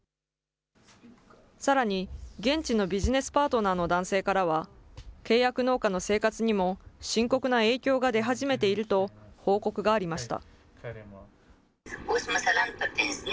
さらに、現地のビジネスパートナーの男性からは、契約農家の生活にも深刻な影響が出始めていると報告がありました。